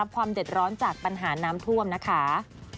ความเดือดร้อนจากปัญหาน้ำท่วมนะคะ